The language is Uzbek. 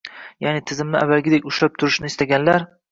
Ya’ni, tizimni avvalgidek ushlab turishni istaganlar